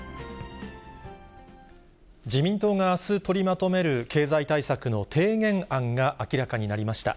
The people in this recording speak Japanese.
自民党があす、取りまとめる経済対策の提言案が明らかになりました。